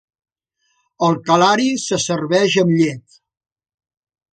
El kalari se serveix amb llet.